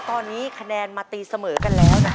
ตอนนี้คะแนนมาตีเสมอกันแล้วนะคะ